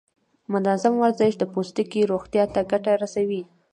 منظم ورزش د پوستکي روغتیا ته ګټه رسوي.